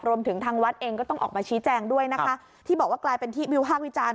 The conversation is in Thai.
รวมถึงทางวัดเองก็ต้องออกมาชี้แจงด้วยนะคะที่บอกว่ากลายเป็นที่วิพากษ์วิจารณ